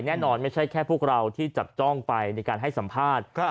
ไม่ใช่แค่พวกเราที่จับจ้องไปในการให้สัมภาษณ์